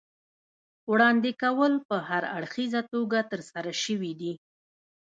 وړاندې کول په هراړخیزه توګه ترسره شوي دي.